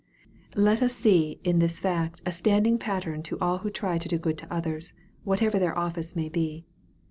Let us see in this fact a standing pattern to all who try to do good to others, whatever their office may be.